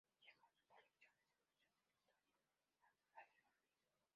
Legó sus colecciones al Museo de Historia Natural de Londres.